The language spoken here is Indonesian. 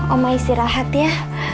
oma istirahat ya